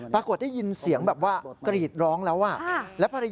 ปรากฏได้ยินเสียงแบบว่ากรีดร้องแล้วอ่ะ